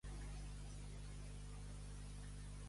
Als Hostalets pixen i caguen drets.